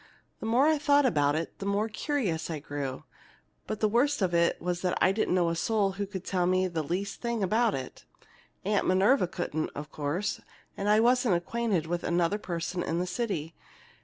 "The more I thought of it, the more curious I grew. But the worst of it was that I didn't know a soul who could tell me the least thing about it. Aunt Minerva couldn't, of course, and I wasn't acquainted with another person in the city.